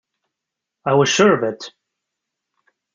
I was sure of it.